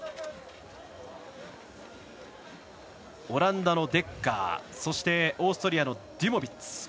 オランダのデッカーそして、オーストリアのデュモビッツ。